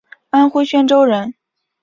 安徽宣州人。